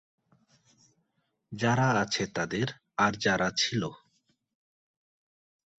যারা আছে তাদের, আর যারা ছিল।